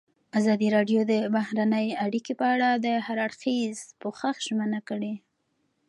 ازادي راډیو د بهرنۍ اړیکې په اړه د هر اړخیز پوښښ ژمنه کړې.